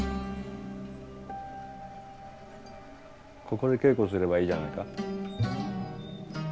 ここで稽古すればいいじゃないか。